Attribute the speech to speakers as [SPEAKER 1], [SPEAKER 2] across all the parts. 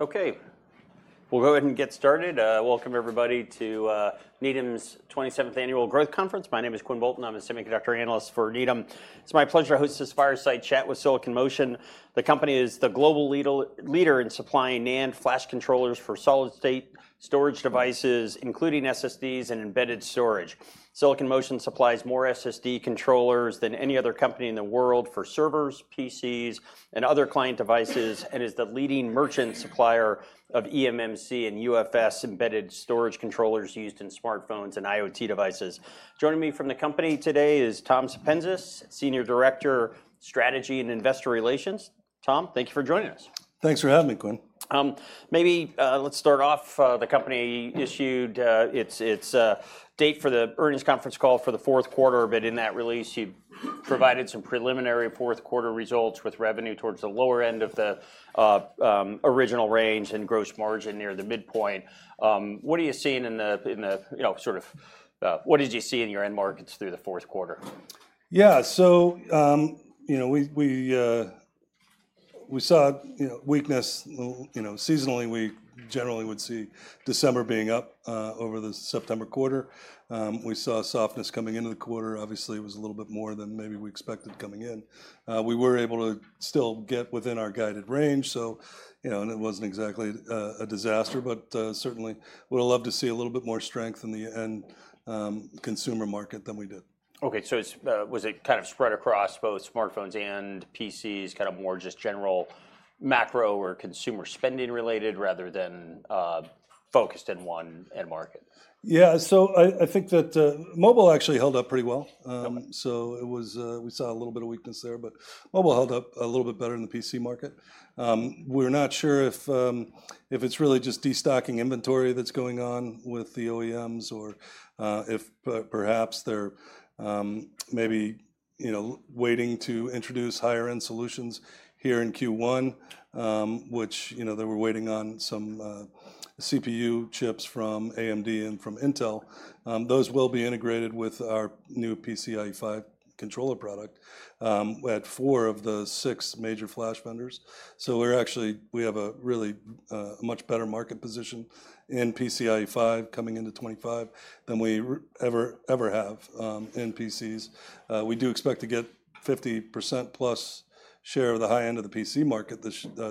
[SPEAKER 1] Okay, we'll go ahead and get started. Welcome, everybody, to Needham's 27th Annual Growth Conference. My name is Quinn Bolton. I'm a Semiconductor Analyst for Needham. It's my pleasure to host this fireside chat with Silicon Motion. The company is the global leader in supplying NAND flash controllers for solid-state storage devices, including SSDs and embedded storage. Silicon Motion supplies more SSD controllers than any other company in the world for servers, PCs, and other client devices, and is the leading merchant supplier of eMMC and UFS embedded storage controllers used in smartphones and IoT devices. Joining me from the company today is Tom Sepenzis, Senior Director, Strategy and Investor Relations. Tom, thank you for joining us.
[SPEAKER 2] Thanks for having me, Quinn.
[SPEAKER 1] Maybe let's start off. The company issued its date for the earnings conference call for the fourth quarter, but in that release, you provided some preliminary fourth quarter results with revenue towards the lower end of the original range and gross margin near the midpoint. What are you seeing in the, you know, sort of what did you see in your end markets through the fourth quarter?
[SPEAKER 2] Yeah, so you know, we saw weakness. Seasonally, we generally would see December being up over the September quarter. We saw softness coming into the quarter. Obviously, it was a little bit more than maybe we expected coming in. We were able to still get within our guided range. So, you know, it wasn't exactly a disaster, but certainly would have loved to see a little bit more strength in the end consumer market than we did.
[SPEAKER 1] Okay, so was it kind of spread across both smartphones and PCs, kind of more just general macro or consumer spending related rather than focused in one end market?
[SPEAKER 2] Yeah, so I think that mobile actually held up pretty well. So it was, we saw a little bit of weakness there, but mobile held up a little bit better in the PC market. We're not sure if it's really just destocking inventory that's going on with the OEMs or if perhaps they're maybe, you know, waiting to introduce higher-end solutions here in Q1, which, you know, they were waiting on some CPU chips from AMD and from Intel. Those will be integrated with our new PCIe 5 controller product at four of the six major flash vendors. So we're actually, we have a really much better market position in PCIe 5 coming into 2025 than we ever, ever have in PCs. We do expect to get 50% plus share of the high end of the PC market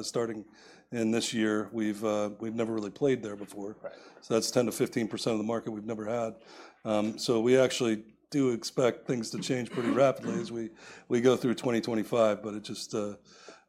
[SPEAKER 2] starting in this year. We've never really played there before. So that's 10%-15% of the market we've never had. So we actually do expect things to change pretty rapidly as we go through 2025, but it just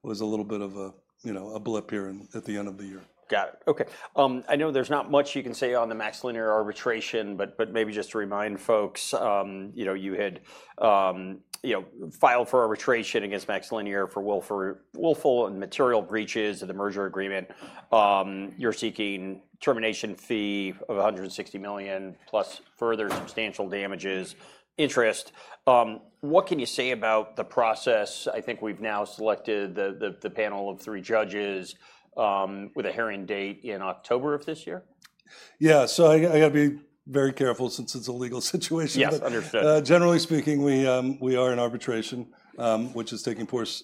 [SPEAKER 2] was a little bit of a, you know, a blip here at the end of the year.
[SPEAKER 1] Got it. Okay. I know there's not much you can say on the MaxLinear arbitration, but maybe just to remind folks, you know, you had, you know, filed for arbitration against MaxLinear for willful and material breaches of the merger agreement. You're seeking termination fee of $160 million plus further substantial damages interest. What can you say about the process? I think we've now selected the panel of three judges with a hearing date in October of this year.
[SPEAKER 2] Yeah, so I got to be very careful since it's a legal situation.
[SPEAKER 1] Yes, understood.
[SPEAKER 2] Generally speaking, we are in arbitration, which is taking place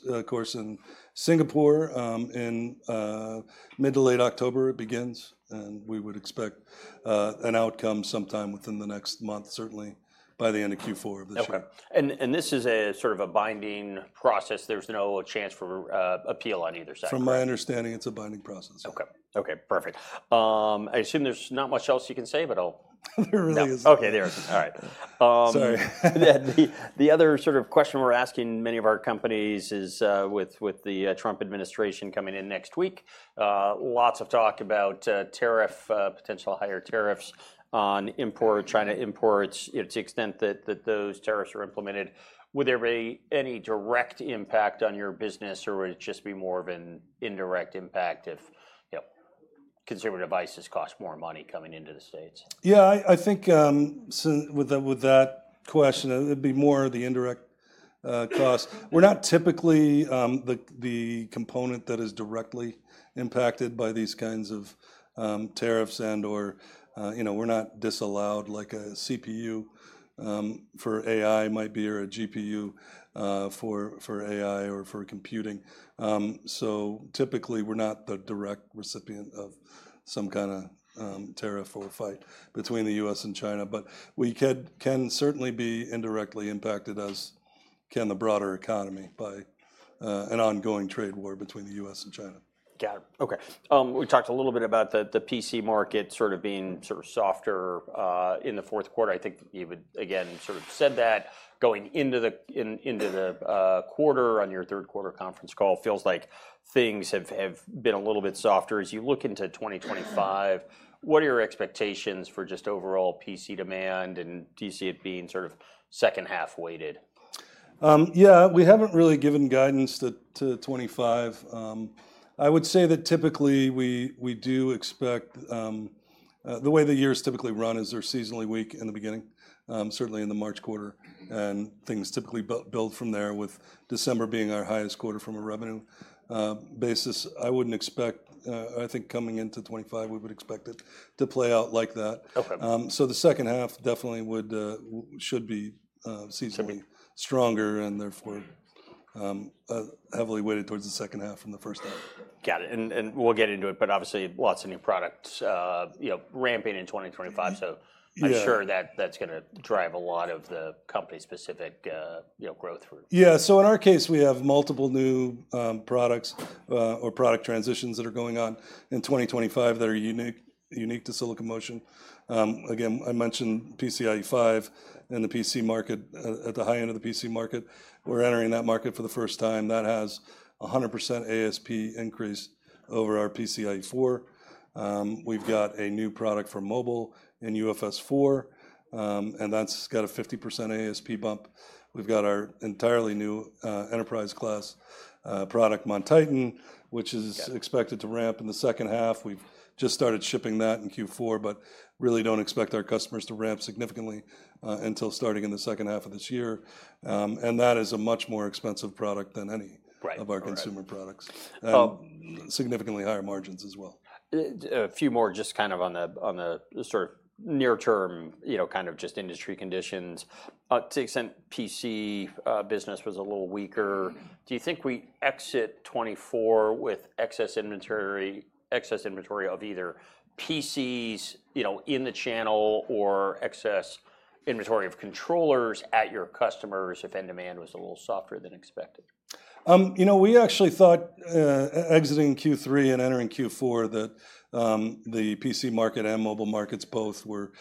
[SPEAKER 2] in Singapore in mid to late October. It begins, and we would expect an outcome sometime within the next month, certainly by the end of Q4 of this year.
[SPEAKER 1] Okay. And this is a sort of a binding process. There's no chance for appeal on either side.
[SPEAKER 2] From my understanding, it's a binding process.
[SPEAKER 1] Okay. Okay, perfect. I assume there's not much else you can say, but I'll.
[SPEAKER 2] There really is.
[SPEAKER 1] Okay, there is. All right.
[SPEAKER 2] Sorry.
[SPEAKER 1] The other sort of question we're asking many of our companies is with the Trump administration coming in next week, lots of talk about tariff, potential higher tariffs on import, China imports, to the extent that those tariffs are implemented. Would there be any direct impact on your business, or would it just be more of an indirect impact if, you know, consumer devices cost more money coming into the States?
[SPEAKER 2] Yeah, I think with that question, it'd be more of the indirect cost. We're not typically the component that is directly impacted by these kinds of tariffs and/or, you know, we're not disallowed like a CPU for AI might be or a GPU for AI or for computing. So typically, we're not the direct recipient of some kind of tariff or fight between the U.S. and China, but we can certainly be indirectly impacted as can the broader economy by an ongoing trade war between the U.S. and China.
[SPEAKER 1] Got it. Okay. We talked a little bit about the PC market sort of being sort of softer in the fourth quarter. I think you would again sort of said that going into the quarter on your third quarter conference call feels like things have been a little bit softer as you look into 2025. What are your expectations for just overall PC demand, and do you see it being sort of second half weighted?
[SPEAKER 2] Yeah, we haven't really given guidance to 2025. I would say that typically we do expect the way the years typically run is they're seasonally weak in the beginning, certainly in the March quarter, and things typically build from there with December being our highest quarter from a revenue basis. I wouldn't expect, I think coming into 2025, we would expect it to play out like that. So the second half definitely should be seasonally stronger and therefore heavily weighted towards the second half from the first half.
[SPEAKER 1] Got it. And we'll get into it, but obviously lots of new products, you know, ramping in 2025. So I'm sure that that's going to drive a lot of the company-specific growth.
[SPEAKER 2] Yeah. In our case, we have multiple new products or product transitions that are going on in 2025 that are unique to Silicon Motion. Again, I mentioned PCIe 5 and the PC market at the high end of the PC market. We're entering that market for the first time. That has a 100% ASP increase over our PCIe 4. We've got a new product for mobile in UFS 4, and that's got a 50% ASP bump. We've got our entirely new enterprise-class product, MonTitan, which is expected to ramp in the second half. We've just started shipping that in Q4, but really don't expect our customers to ramp significantly until starting in the second half of this year. And that is a much more expensive product than any of our consumer products and significantly higher margins as well.
[SPEAKER 1] A few more just kind of on the sort of near-term, you know, kind of just industry conditions. To the extent PC business was a little weaker, do you think we exit 2024 with excess inventory of either PCs, you know, in the channel or excess inventory of controllers at your customers if end demand was a little softer than expected?
[SPEAKER 2] You know, we actually thought exiting Q3 and entering Q4 that the PC market and mobile markets both were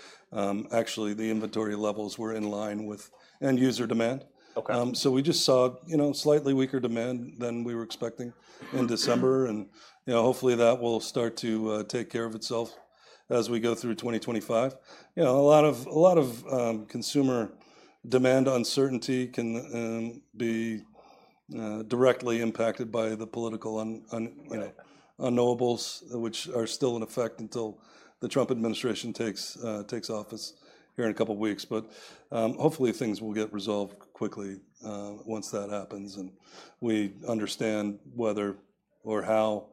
[SPEAKER 2] actually the inventory levels were in line with end user demand. So we just saw, you know, slightly weaker demand than we were expecting in December. And, you know, hopefully that will start to take care of itself as we go through 2025. You know, a lot of consumer demand uncertainty can be directly impacted by the political unknowables, which are still in effect until the Trump administration takes office here in a couple of weeks. But hopefully things will get resolved quickly once that happens and we understand whether or how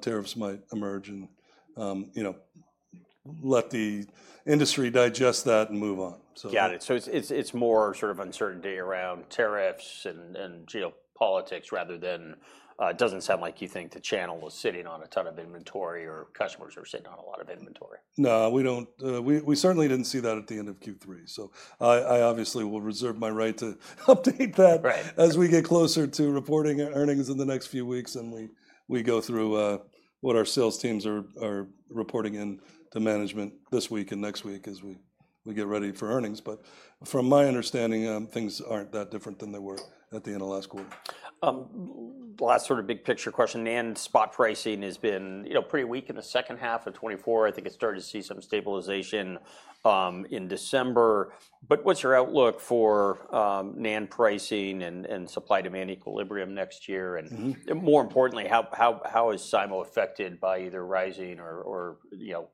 [SPEAKER 2] tariffs might emerge and, you know, let the industry digest that and move on.
[SPEAKER 1] Got it, so it's more sort of uncertainty around tariffs and geopolitics rather than it doesn't sound like you think the channel is sitting on a ton of inventory or customers are sitting on a lot of inventory.
[SPEAKER 2] No, we don't. We certainly didn't see that at the end of Q3, so I obviously will reserve my right to update that as we get closer to reporting earnings in the next few weeks and we go through what our sales teams are reporting in to management this week and next week as we get ready for earnings, but from my understanding, things aren't that different than they were at the end of last quarter.
[SPEAKER 1] Last sort of big picture question. NAND spot pricing has been, you know, pretty weak in the second half of 2024. I think it started to see some stabilization in December. But what's your outlook for NAND pricing and supply-demand equilibrium next year? And more importantly, how is SIMO affected by either rising or, you know,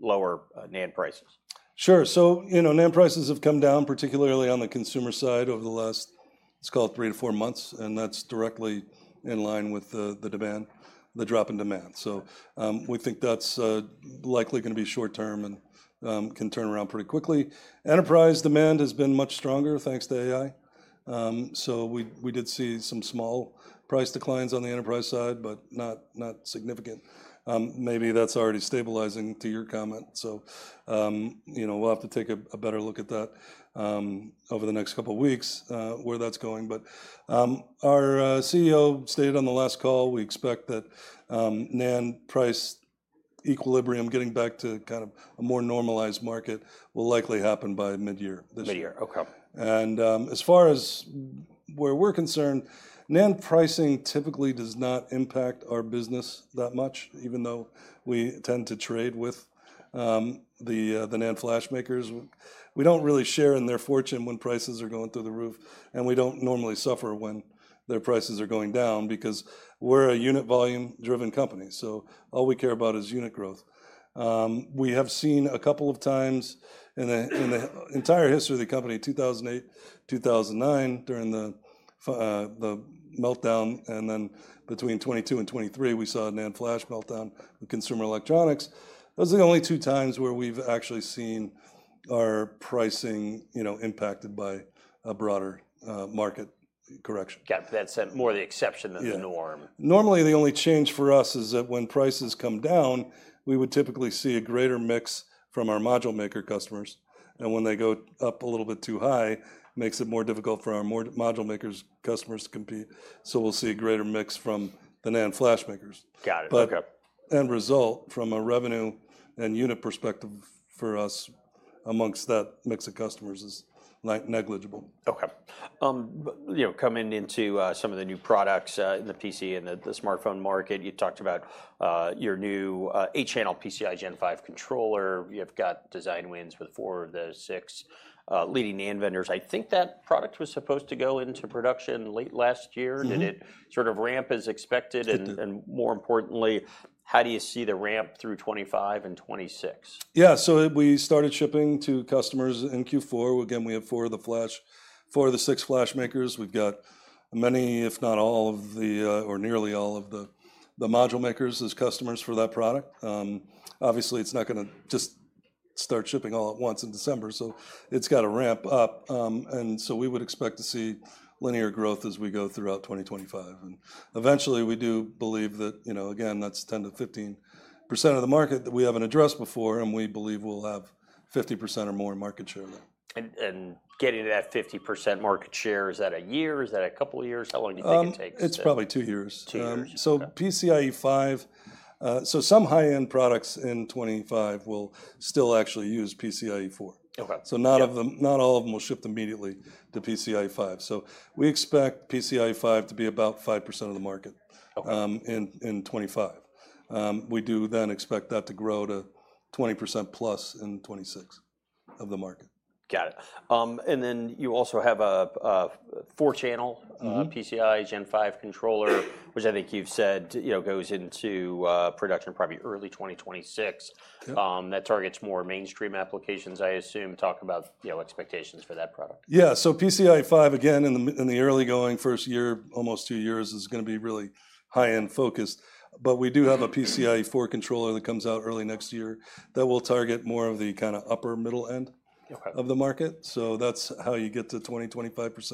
[SPEAKER 1] lower NAND prices?
[SPEAKER 2] Sure. So, you know, NAND prices have come down, particularly on the consumer side over the last, let's call it three to four months, and that's directly in line with the demand, the drop in demand. So we think that's likely going to be short term and can turn around pretty quickly. Enterprise demand has been much stronger thanks to AI. So we did see some small price declines on the enterprise side, but not significant. Maybe that's already stabilizing to your comment. So, you know, we'll have to take a better look at that over the next couple of weeks where that's going. But our CEO stated on the last call, we expect that NAND price equilibrium getting back to kind of a more normalized market will likely happen by mid-year.
[SPEAKER 1] Mid-year. Okay.
[SPEAKER 2] As far as where we're concerned, NAND pricing typically does not impact our business that much, even though we tend to trade with the NAND flash makers. We don't really share in their fortune when prices are going through the roof, and we don't normally suffer when their prices are going down because we're a unit volume-driven company, so all we care about is unit growth. We have seen a couple of times in the entire history of the company, 2008, 2009, during the meltdown, and then between 2022 and 2023, we saw a NAND flash meltdown with consumer electronics. Those are the only two times where we've actually seen our pricing, you know, impacted by a broader market correction.
[SPEAKER 1] Got it. That's more the exception than the norm.
[SPEAKER 2] Normally, the only change for us is that when prices come down, we would typically see a greater mix from our module maker customers, and when they go up a little bit too high, it makes it more difficult for our module makers' customers to compete, so we'll see a greater mix from the NAND flash makers.
[SPEAKER 1] Got it. Okay.
[SPEAKER 2] But end result from a revenue and unit perspective for us amongst that mix of customers is negligible.
[SPEAKER 1] Okay. You know, coming into some of the new products in the PC and the smartphone market, you talked about your new eight-channel PCIe Gen 5 controller. You've got design wins with four of the six leading NAND vendors. I think that product was supposed to go into production late last year. Did it sort of ramp as expected? And more importantly, how do you see the ramp through 2025 and 2026?
[SPEAKER 2] Yeah, so we started shipping to customers in Q4. Again, we have four of the flash, four of the six flash makers. We've got many, if not all of the, or nearly all of the module makers as customers for that product. Obviously, it's not going to just start shipping all at once in December, so it's got to ramp up. And so we would expect to see linear growth as we go throughout 2025. And eventually, we do believe that, you know, again, that's 10%-15% of the market that we haven't addressed before, and we believe we'll have 50% or more market share there.
[SPEAKER 1] Getting to that 50% market share, is that a year? Is that a couple of years? How long do you think it takes?
[SPEAKER 2] It's probably two years. So PCIe 5, so some high-end products in 2025 will still actually use PCIe 4. So not all of them will ship immediately to PCIe 5. So we expect PCIe 5 to be about 5% of the market in 2025. We do then expect that to grow to 20% plus in 2026 of the market.
[SPEAKER 1] Got it. And then you also have a four-channel PCIe Gen 5 controller, which I think you've said, you know, goes into production probably early 2026. That targets more mainstream applications, I assume. Talk about, you know, expectations for that product.
[SPEAKER 2] Yeah. So PCIe 5, again, in the early going first year, almost two years, is going to be really high-end focused. But we do have a PCIe 4 controller that comes out early next year that will target more of the kind of upper middle end of the market. So that's how you get to 20%-25% of the market.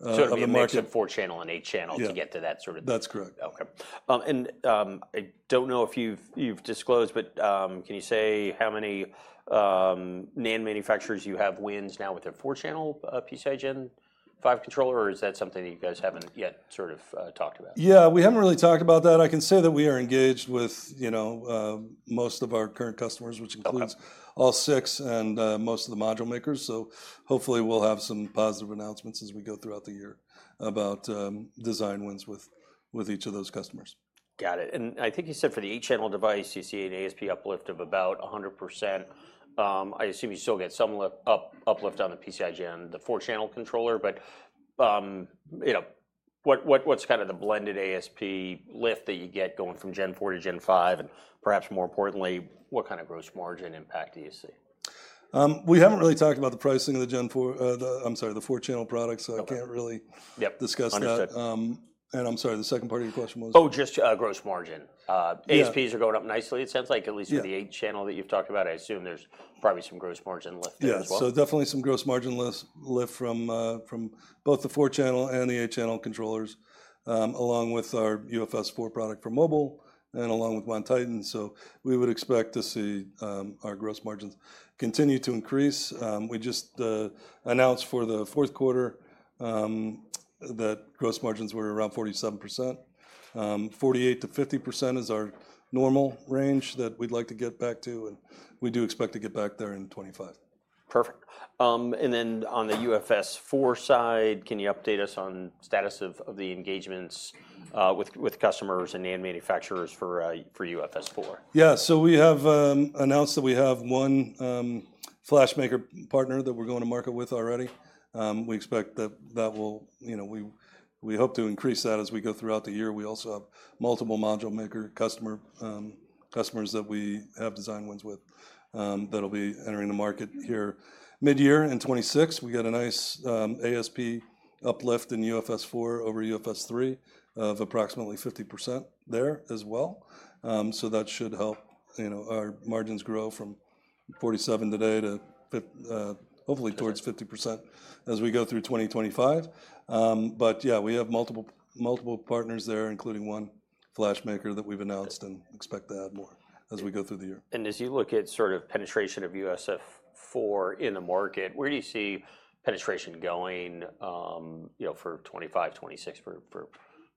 [SPEAKER 1] So you're looking at four-channel and eight-channel to get to that sort of.
[SPEAKER 2] That's correct.
[SPEAKER 1] Okay, and I don't know if you've disclosed, but can you say how many NAND manufacturers you have wins now with a four-channel PCIe Gen 5 controller, or is that something that you guys haven't yet sort of talked about?
[SPEAKER 2] Yeah, we haven't really talked about that. I can say that we are engaged with, you know, most of our current customers, which includes all six and most of the module makers. So hopefully we'll have some positive announcements as we go throughout the year about design wins with each of those customers.
[SPEAKER 1] Got it. And I think you said for the eight-channel device, you see an ASP uplift of about 100%. I assume you still get some uplift on the PCIe Gen 4 channel controller, but, you know, what's kind of the blended ASP lift that you get going from Gen 4 to Gen 5? And perhaps more importantly, what kind of gross margin impact do you see?
[SPEAKER 2] We haven't really talked about the pricing of the Gen 4, I'm sorry, the four-channel products. I can't really discuss that, and I'm sorry, the second part of your question was?
[SPEAKER 1] Oh, just gross margin. ASPs are going up nicely. It sounds like at least with the eight-channel that you've talked about, I assume there's probably some gross margin lift there as well.
[SPEAKER 2] Yeah, so definitely some gross margin lift from both the four-channel and the eight-channel controllers, along with our UFS 4 product for mobile and along with MonTitan. So we would expect to see our gross margins continue to increase. We just announced for the fourth quarter that gross margins were around 47%. 48%-50% is our normal range that we'd like to get back to, and we do expect to get back there in 2025.
[SPEAKER 1] Perfect. And then on the UFS 4 side, can you update us on status of the engagements with customers and NAND manufacturers for UFS 4?
[SPEAKER 2] Yeah, so we have announced that we have one flash maker partner that we're going to market with already. We expect that that will, you know, we hope to increase that as we go throughout the year. We also have multiple module maker customers that we have design wins with that'll be entering the market here mid-year in 2026. We got a nice ASP uplift in UFS 4 over UFS 3 of approximately 50% there as well. So that should help, you know, our margins grow from 47% today to hopefully towards 50% as we go through 2025, but yeah, we have multiple partners there, including one flash maker that we've announced and expect to add more as we go through the year.
[SPEAKER 1] As you look at sort of penetration of UFS 4 in the market, where do you see penetration going, you know, for 2025, 2026 for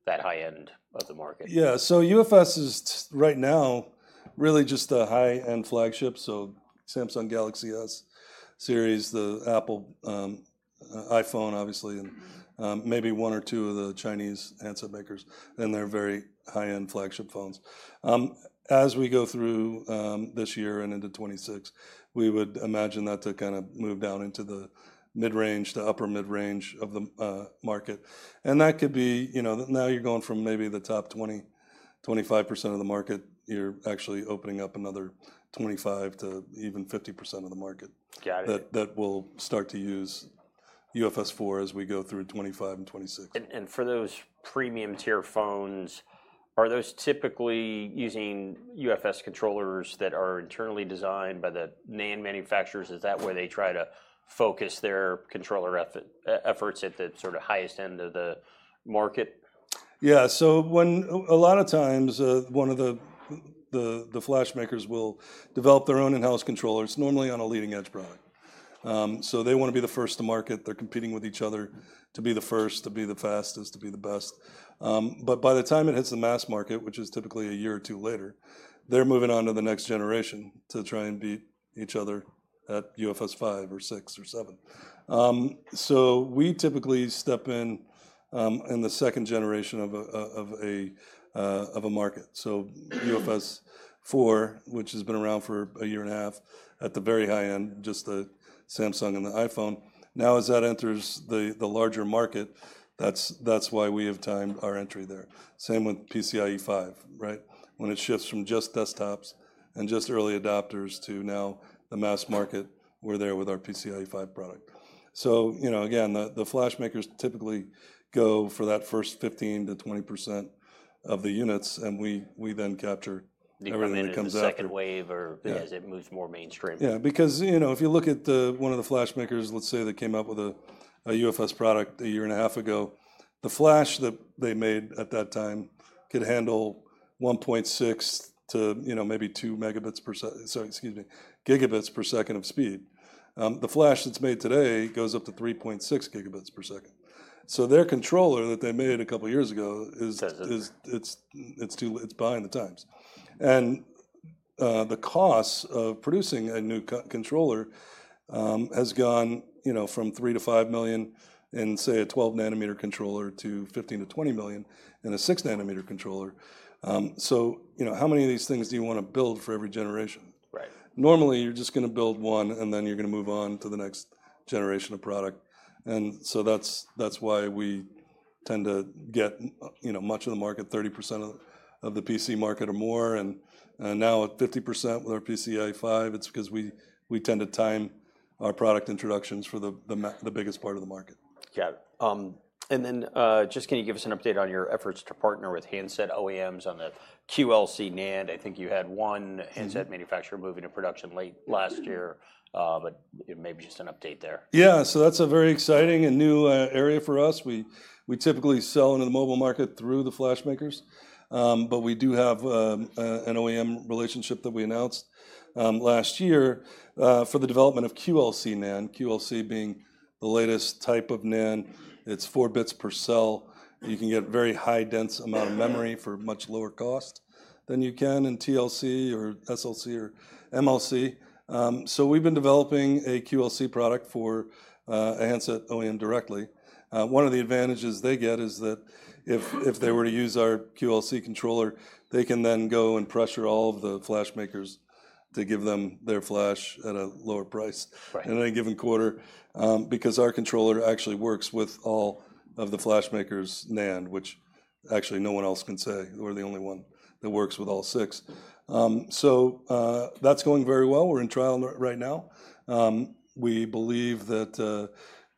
[SPEAKER 1] that high end of the market?
[SPEAKER 2] Yeah. So UFS is right now really just the high-end flagship. So Samsung Galaxy S series, the Apple iPhone, obviously, and maybe one or two of the Chinese handset makers, and they're very high-end flagship phones. As we go through this year and into 2026, we would imagine that to kind of move down into the mid-range, the upper mid-range of the market. And that could be, you know, now you're going from maybe the top 20%-25% of the market, you're actually opening up another 25% to even 50% of the market that will start to use UFS 4 as we go through 2025 and 2026.
[SPEAKER 1] For those premium tier phones, are those typically using UFS controllers that are internally designed by the NAND manufacturers? Is that where they try to focus their controller efforts at the sort of highest end of the market?
[SPEAKER 2] Yeah. So when a lot of times one of the flash makers will develop their own in-house controllers, normally on a leading edge product. So they want to be the first to market. They're competing with each other to be the first, to be the fastest, to be the best. But by the time it hits the mass market, which is typically a year or two later, they're moving on to the next generation to try and beat each other at UFS 5 or 6 or 7. So we typically step in in the second generation of a market. So UFS 4, which has been around for a year and a half at the very high end, just the Samsung and the iPhone. Now as that enters the larger market, that's why we have timed our entry there. Same with PCIe 5, right? When it shifts from just desktops and just early adopters to now the mass market, we're there with our PCIe 5 product. So, you know, again, the flash makers typically go for that first 15%-20% of the units, and we then capture everything that comes after.
[SPEAKER 1] The second wave, or as it moves more mainstream.
[SPEAKER 2] Yeah. Because, you know, if you look at one of the flash makers, let's say they came up with a UFS product a year and a half ago, the flash that they made at that time could handle 1.6 to, you know, maybe 2 megabits per second, sorry, excuse me, gigabits per second of speed. The flash that's made today goes up to 3.6 gigabits per second. So their controller that they made a couple of years ago is behind the times. And the cost of producing a new controller has gone, you know, from $3 million-$5 million in, say, a 12-nanometer controller to $15 million-$20 million in a 6-nanometer controller. So, you know, how many of these things do you want to build for every generation?
[SPEAKER 1] Right.
[SPEAKER 2] Normally, you're just going to build one and then you're going to move on to the next generation of product, and so that's why we tend to get, you know, much of the market, 30% of the PC market or more, and now at 50% with our PCIe 5, it's because we tend to time our product introductions for the biggest part of the market.
[SPEAKER 1] Got it. And then just can you give us an update on your efforts to partner with handset OEMs on the QLC NAND? I think you had one handset manufacturer moving to production late last year, but maybe just an update there.
[SPEAKER 2] Yeah. So that's a very exciting and new area for us. We typically sell into the mobile market through the flash makers, but we do have an OEM relationship that we announced last year for the development of QLC NAND. QLC being the latest type of NAND. It's four bits per cell. You can get a very high-density amount of memory for much lower cost than you can in TLC or SLC or MLC. So we've been developing a QLC product for a handset OEM directly. One of the advantages they get is that if they were to use our QLC controller, they can then go and pressure all of the flash makers to give them their flash at a lower price in any given quarter because our controller actually works with all of the flash makers' NAND, which actually no one else can say. We're the only one that works with all six. So that's going very well. We're in trial right now. We believe that,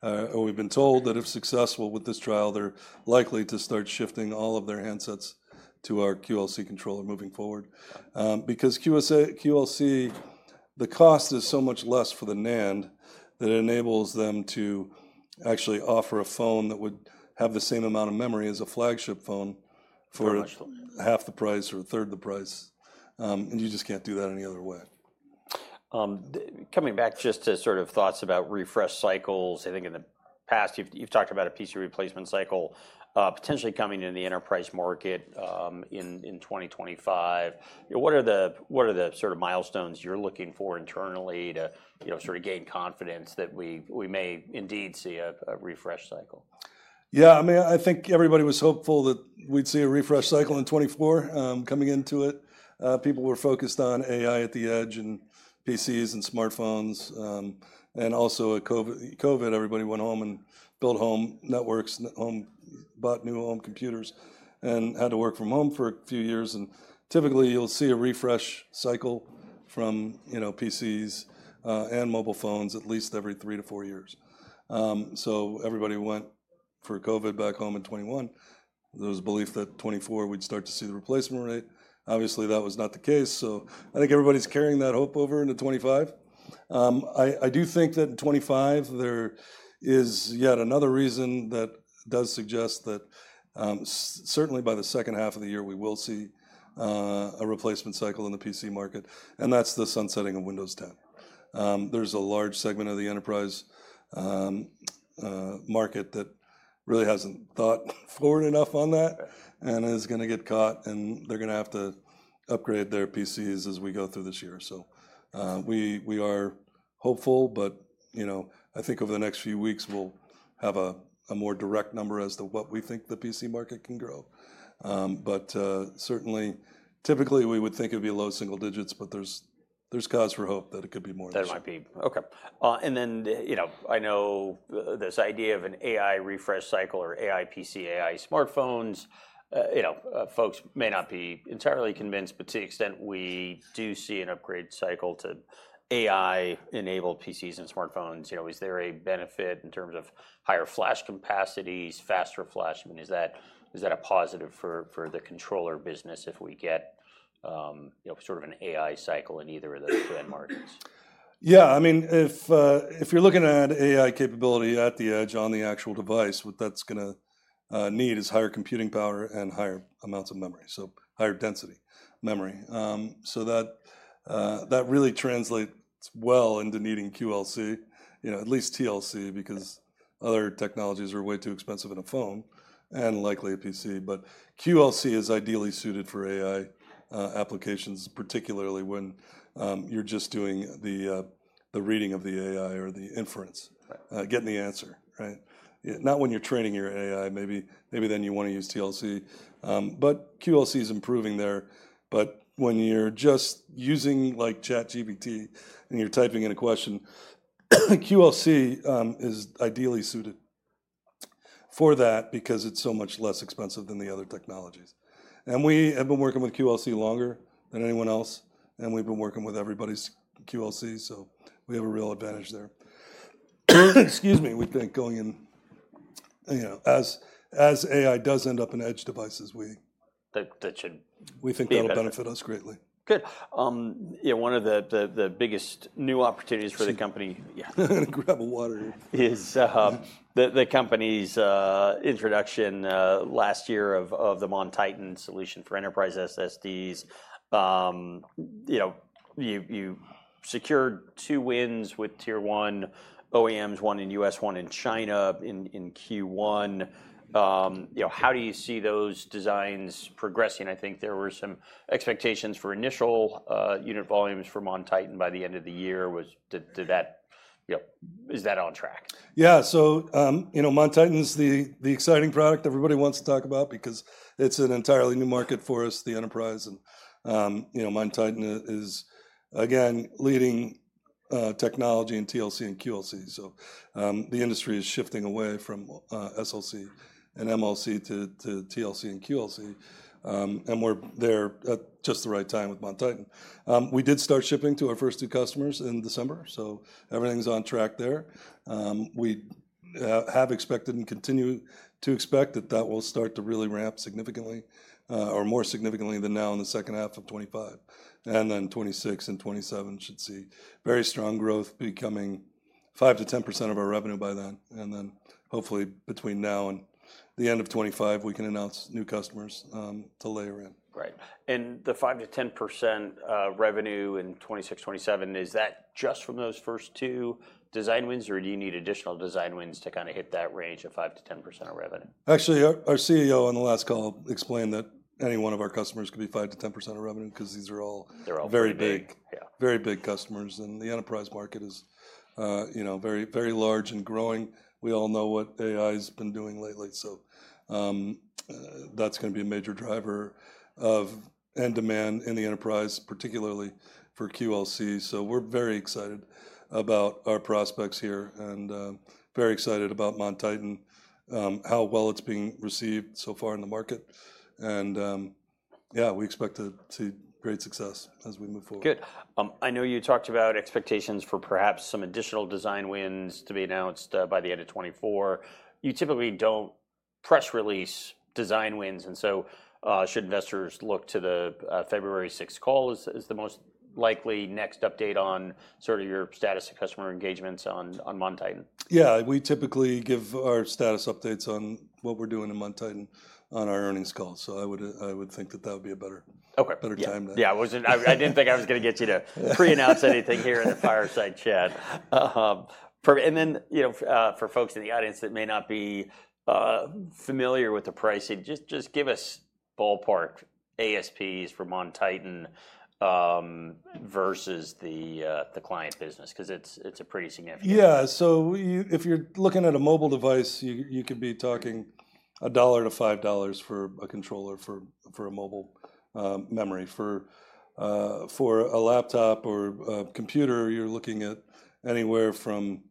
[SPEAKER 2] or we've been told that if successful with this trial, they're likely to start shifting all of their handsets to our QLC controller moving forward. Because QLC, the cost is so much less for the NAND that it enables them to actually offer a phone that would have the same amount of memory as a flagship phone for half the price or a third of the price. And you just can't do that any other way.
[SPEAKER 1] Coming back just to sort of thoughts about refresh cycles, I think in the past you've talked about a PC replacement cycle potentially coming in the enterprise market in 2025. What are the sort of milestones you're looking for internally to, you know, sort of gain confidence that we may indeed see a refresh cycle?
[SPEAKER 2] Yeah. I mean, I think everybody was hopeful that we'd see a refresh cycle in 2024 coming into it. People were focused on AI at the edge and PCs and smartphones. And also with COVID, everybody went home and built home networks, bought new home computers, and had to work from home for a few years. And typically you'll see a refresh cycle from, you know, PCs and mobile phones at least every three to four years. So everybody went for COVID back home in 2021. There was a belief that 2024 we'd start to see the replacement rate. Obviously, that was not the case. So I think everybody's carrying that hope over into 2025. I do think that in 2025 there is yet another reason that does suggest that certainly by the second half of the year we will see a replacement cycle in the PC market. And that's the sunsetting of Windows 10. There's a large segment of the enterprise market that really hasn't thought forward enough on that and is going to get caught, and they're going to have to upgrade their PCs as we go through this year. So we are hopeful, but, you know, I think over the next few weeks we'll have a more direct number as to what we think the PC market can grow. But certainly, typically we would think it'd be low single digits, but there's cause for hope that it could be more than that.
[SPEAKER 1] There might be. Okay. And then, you know, I know this idea of an AI refresh cycle or AI PC, AI smartphones, you know, folks may not be entirely convinced, but to the extent we do see an upgrade cycle to AI-enabled PCs and smartphones, you know, is there a benefit in terms of higher flash capacities, faster flash? I mean, is that a positive for the controller business if we get, you know, sort of an AI cycle in either of those trend margins?
[SPEAKER 2] Yeah. I mean, if you're looking at AI capability at the edge on the actual device, what that's going to need is higher computing power and higher amounts of memory, so higher density memory. So that really translates well into needing QLC, you know, at least TLC, because other technologies are way too expensive in a phone and likely a PC. But QLC is ideally suited for AI applications, particularly when you're just doing the reading of the AI or the inference, getting the answer, right? Not when you're training your AI, maybe then you want to use TLC. But QLC is improving there. But when you're just using like ChatGPT and you're typing in a question, QLC is ideally suited for that because it's so much less expensive than the other technologies. And we have been working with QLC longer than anyone else, and we've been working with everybody's QLC, so we have a real advantage there. Excuse me, we think going in, you know, as AI does end up in edge devices, we think that will benefit us greatly.
[SPEAKER 1] Good. You know, one of the biggest new opportunities for the company.
[SPEAKER 2] I'm going to grab a water.
[SPEAKER 1] Is the company's introduction last year of the MonTitan solution for enterprise SSDs. You know, you secured two wins with tier one OEMs, one in U.S., one in China in Q1. You know, how do you see those designs progressing? I think there were some expectations for initial unit volumes for MonTitan by the end of the year. Did that, you know, is that on track?
[SPEAKER 2] Yeah. So, you know, MonTitan is the exciting product everybody wants to talk about because it's an entirely new market for us, the enterprise. And, you know, MonTitan is again leading technology in TLC and QLC. So the industry is shifting away from SLC and MLC to TLC and QLC. And we're there at just the right time with MonTitan. We did start shipping to our first two customers in December, so everything's on track there. We have expected and continue to expect that that will start to really ramp significantly or more significantly than now in the second half of 2025. And then 2026 and 2027 should see very strong growth becoming 5%-10% of our revenue by then. And then hopefully between now and the end of 2025, we can announce new customers to layer in.
[SPEAKER 1] Right. And the 5%-10% revenue in 2026, 2027, is that just from those first two design wins, or do you need additional design wins to kind of hit that range of 5%-10% of revenue?
[SPEAKER 2] Actually, our CEO on the last call explained that any one of our customers could be 5%-10% of revenue because these are all very big, very big customers, and the enterprise market is, you know, very large and growing. We all know what AI has been doing lately, so that's going to be a major driver of end demand in the enterprise, particularly for QLC, so we're very excited about our prospects here and very excited about MonTitan, how well it's being received so far in the market, and yeah, we expect to see great success as we move forward.
[SPEAKER 1] Good. I know you talked about expectations for perhaps some additional design wins to be announced by the end of 2024. You typically don't press release design wins. And so should investors look to the February 6th call as the most likely next update on sort of your status of customer engagements on MonTitan?
[SPEAKER 2] Yeah. We typically give our status updates on what we're doing in MonTitan on our earnings call. So I would think that that would be a better time now.
[SPEAKER 1] Yeah. I didn't think I was going to get you to pre-announce anything here in the fireside chat, and then, you know, for folks in the audience that may not be familiar with the pricing, just give us ballpark ASPs for MonTitan versus the client business because it's a pretty significant number.
[SPEAKER 2] Yeah. So if you're looking at a mobile device, you could be talking $1-$5 for a controller for a mobile memory. For a laptop or a computer, you're looking at anywhere from,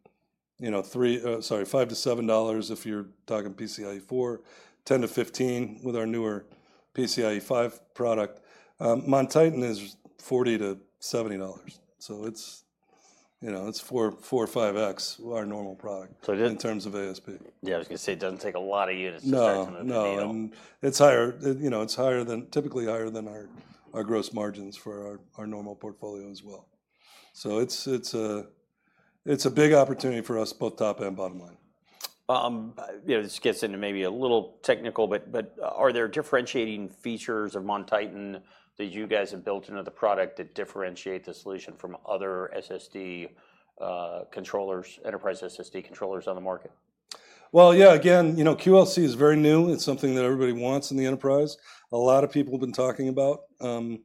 [SPEAKER 2] you know, $3, sorry, $5-$7 if you're talking PCIe 4, $10-$15 with our newer PCIe 5 product. MonTitan is $40-$70. So it's, you know, it's four or five X our normal product in terms of ASP.
[SPEAKER 1] Yeah. I was going to say it doesn't take a lot of units to start from the beginning.
[SPEAKER 2] No, and it's higher, you know, it's higher than typically higher than our gross margins for our normal portfolio as well. So it's a big opportunity for us, both top and bottom line.
[SPEAKER 1] You know, this gets into maybe a little technical, but are there differentiating features of MonTitan that you guys have built into the product that differentiate the solution from other SSD controllers, enterprise SSD controllers on the market?
[SPEAKER 2] Yeah, again, you know, QLC is very new. It's something that everybody wants in the enterprise. A lot of people have been talking about, you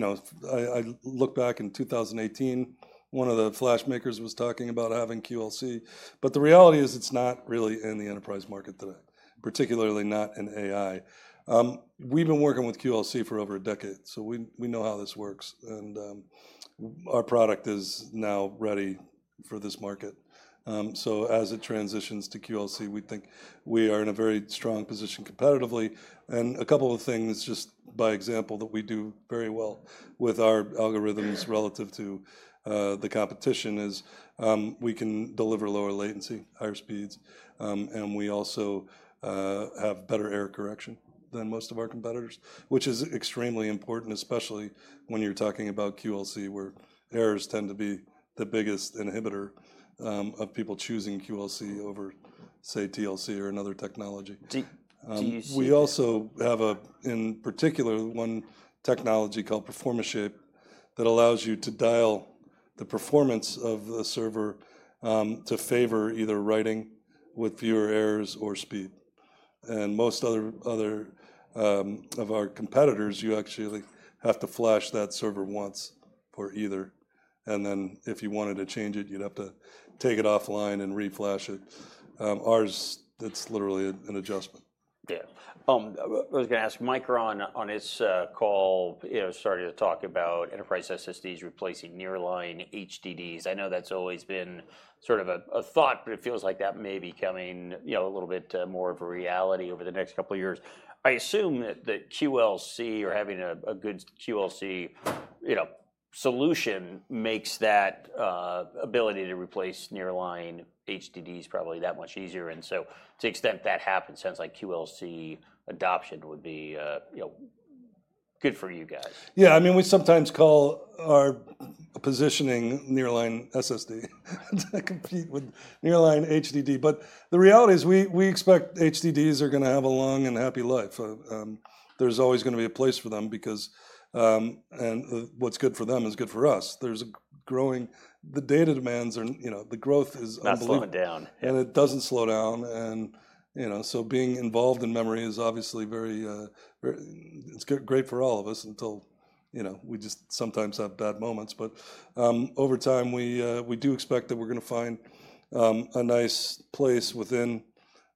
[SPEAKER 2] know. I look back in 2018, one of the flash makers was talking about having QLC. The reality is it's not really in the enterprise market today, particularly not in AI. We've been working with QLC for over a decade, so we know how this works. Our product is now ready for this market. As it transitions to QLC, we think we are in a very strong position competitively. A couple of things just by example that we do very well with our algorithms relative to the competition is we can deliver lower latency, higher speeds. We also have better error correction than most of our competitors, which is extremely important, especially when you're talking about QLC, where errors tend to be the biggest inhibitor of people choosing QLC over, say, TLC or another technology. We also have in particular one technology called PerformaShape that allows you to dial the performance of the server to favor either writing with fewer errors or speed. Most other of our competitors, you actually have to flash that server once for either. Then if you wanted to change it, you'd have to take it offline and reflash it. Ours, it's literally an adjustment.
[SPEAKER 1] Yeah. I was going to ask Micron on its call, you know, started to talk about enterprise SSDs replacing nearline HDDs. I know that's always been sort of a thought, but it feels like that may be coming, you know, a little bit more of a reality over the next couple of years. I assume that QLC or having a good QLC, you know, solution makes that ability to replace nearline HDDs probably that much easier. And so to the extent that happens, sounds like QLC adoption would be, you know, good for you guys.
[SPEAKER 2] Yeah. I mean, we sometimes call our positioning nearline SSD to compete with nearline HDD. But the reality is we expect HDDs are going to have a long and happy life. There's always going to be a place for them because, and what's good for them is good for us. There's a growing, the data demands are, you know, the growth is unbelievable.
[SPEAKER 1] That's slowing down.
[SPEAKER 2] And it doesn't slow down. And, you know, so being involved in memory is obviously very, it's great for all of us until, you know, we just sometimes have bad moments. But over time, we do expect that we're going to find a nice place within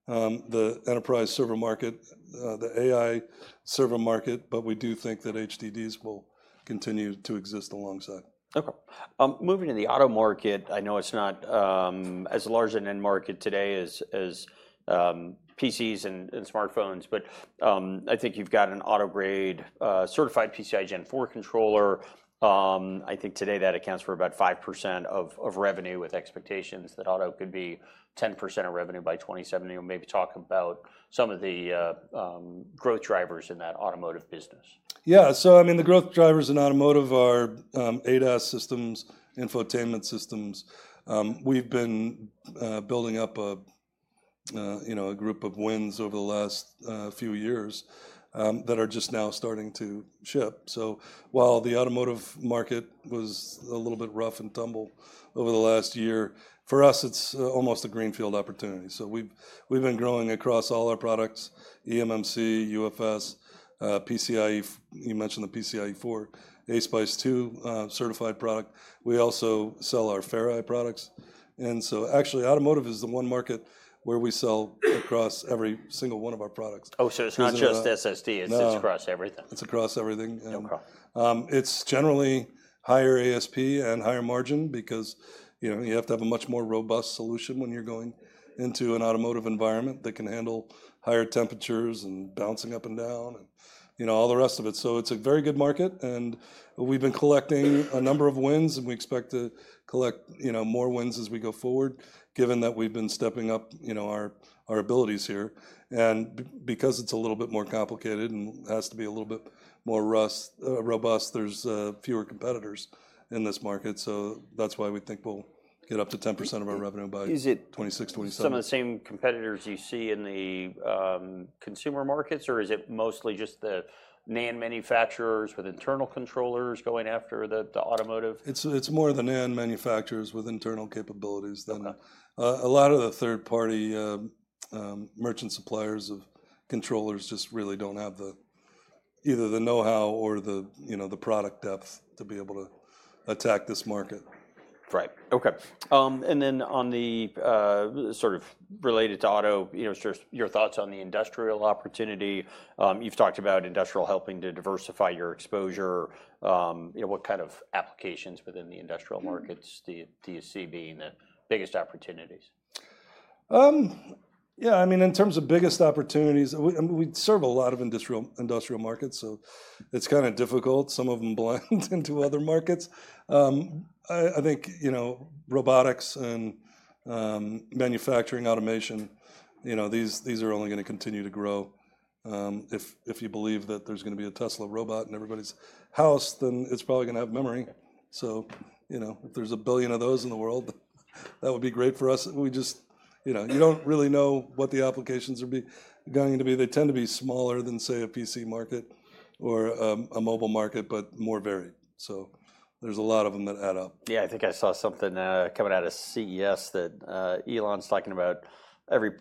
[SPEAKER 2] the enterprise server market, the AI server market. But we do think that HDDs will continue to exist alongside.
[SPEAKER 1] Okay. Moving to the auto market, I know it's not as large an end market today as PCs and smartphones, but I think you've got an auto-grade certified PCIe Gen 4 controller. I think today that accounts for about 5% of revenue with expectations that auto could be 10% of revenue by 2027. You maybe talk about some of the growth drivers in that automotive business.
[SPEAKER 2] Yeah. So, I mean, the growth drivers in automotive are ADAS systems, infotainment systems. We've been building up a, you know, a group of wins over the last few years that are just now starting to ship. So while the automotive market was a little bit rough and tumble over the last year, for us, it's almost a greenfield opportunity. So we've been growing across all our products, eMMC, UFS, PCIe. You mentioned the PCIe 4, ASPICE 2 certified product. We also sell our Ferri products. And so actually automotive is the one market where we sell across every single one of our products.
[SPEAKER 1] Oh, so it's not just SSD, it's across everything.
[SPEAKER 2] It's across everything. It's generally higher ASP and higher margin because, you know, you have to have a much more robust solution when you're going into an automotive environment that can handle higher temperatures and bouncing up and down and, you know, all the rest of it. So it's a very good market, and we've been collecting a number of wins, and we expect to collect, you know, more wins as we go forward, given that we've been stepping up, you know, our abilities here. And because it's a little bit more complicated and has to be a little bit more robust, there's fewer competitors in this market, so that's why we think we'll get up to 10% of our revenue by 2026, 2027.
[SPEAKER 1] Some of the same competitors you see in the consumer markets, or is it mostly just the NAND manufacturers with internal controllers going after the automotive?
[SPEAKER 2] It's more the NAND manufacturers with internal capabilities than a lot of the third-party merchant suppliers of controllers just really don't have either the know-how or the, you know, the product depth to be able to attack this market.
[SPEAKER 1] Right. Okay. And then on the sort of related to auto, you know, your thoughts on the industrial opportunity. You've talked about industrial helping to diversify your exposure. You know, what kind of applications within the industrial markets do you see being the biggest opportunities?
[SPEAKER 2] Yeah. I mean, in terms of biggest opportunities, we serve a lot of industrial markets, so it's kind of difficult. Some of them blend into other markets. I think, you know, robotics and manufacturing automation, you know, these are only going to continue to grow. If you believe that there's going to be a Tesla robot in everybody's house, then it's probably going to have memory. So, you know, if there's a billion of those in the world, that would be great for us. We just, you know, you don't really know what the applications are going to be. They tend to be smaller than, say, a PC market or a mobile market, but more varied. So there's a lot of them that add up.
[SPEAKER 1] Yeah. I think I saw something coming out of CES that Elon's talking about: every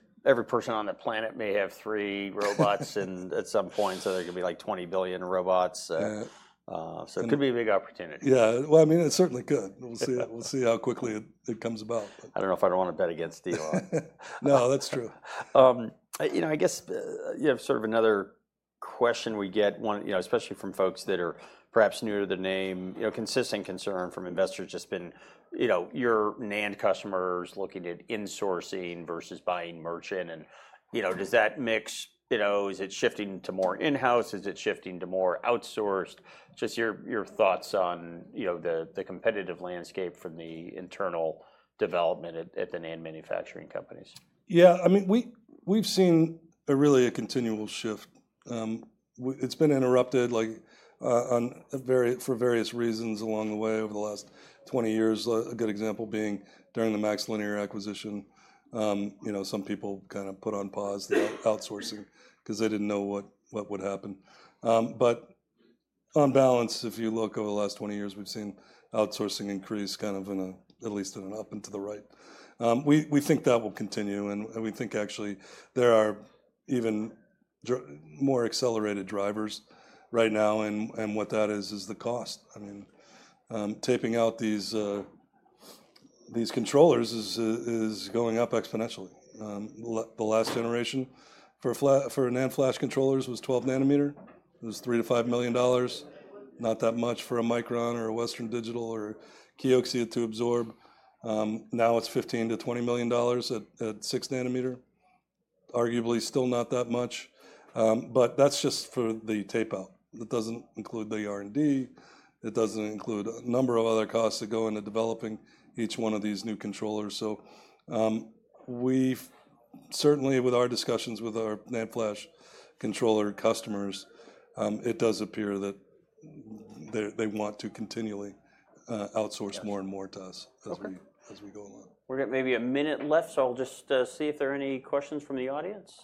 [SPEAKER 1] person on the planet may have three robots at some point, so there could be like 20 billion robots. So it could be a big opportunity.
[SPEAKER 2] Yeah. Well, I mean, it's certainly good. We'll see how quickly it comes about.
[SPEAKER 1] I don't know if I'd want to bet against Elon.
[SPEAKER 2] No, that's true.
[SPEAKER 1] You know, I guess, you know, sort of another question we get, you know, especially from folks that are perhaps new to the name, you know, consistent concern from investors has been, you know, your NAND customers looking at insourcing versus buying merchant. And, you know, does that mix, you know, is it shifting to more in-house? Is it shifting to more outsourced? Just your thoughts on, you know, the competitive landscape from the internal development at the NAND manufacturing companies.
[SPEAKER 2] Yeah. I mean, we've seen really a continual shift. It's been interrupted for various reasons along the way over the last 20 years. A good example being during the MaxLinear acquisition, you know, some people kind of put on pause the outsourcing because they didn't know what would happen. But on balance, if you look over the last 20 years, we've seen outsourcing increase kind of in a, at least in an up and to the right. We think that will continue, and we think actually there are even more accelerated drivers right now. And what that is, is the cost. I mean, taping out these controllers is going up exponentially. The last generation for NAND flash controllers was 12 nanometers. It was $3 million-$5 million. Not that much for a Micron or a Western Digital or a Kioxia to absorb. Now it's $15 million-$20 million at 6 nanometer. Arguably still not that much. But that's just for the tape-out. That doesn't include the R&D. It doesn't include a number of other costs that go into developing each one of these new controllers. So we certainly, with our discussions with our NAND flash controller customers, it does appear that they want to continually outsource more and more to us as we go along.
[SPEAKER 1] We're getting maybe a minute left, so I'll just see if there are any questions from the audience.